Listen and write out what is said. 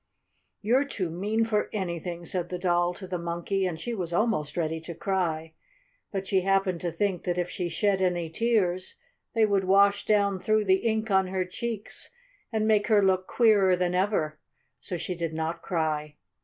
"You're too mean for anything!" said the Doll to the Monkey, and she was almost ready to cry. But she happened to think that if she shed any tears they would wash down through the ink on her cheeks and make her look queerer than ever. So she did not cry.